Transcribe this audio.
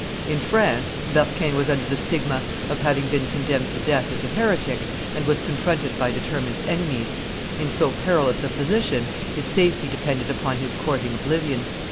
In France, Berquin was under the stigma of having been condemned to death as a heretic, and was confronted by determined enemies. In so perilous a position his safety depended upon his courting oblivion.